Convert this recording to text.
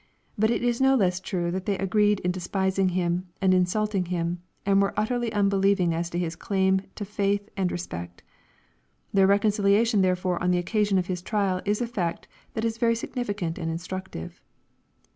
But it is no less true that they agreed in despising Him, and insulting Him, and were utterly unbelieving as to His claim to faith and re spect. Their reconciliation therefore on the occasion of Hi^ trial, is a fact that is very significant and instructive.